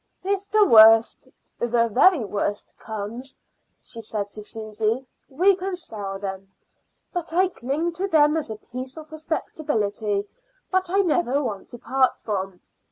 "If the worst the very worst comes," she said to Susy, "we can sell them; but I cling to them as a piece of respectability that I never want to part from.